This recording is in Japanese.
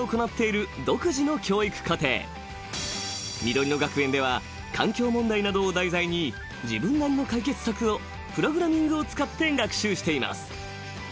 ［みどりの学園では環境問題などを題材に自分なりの解決策をプログラミングを使って学習しています］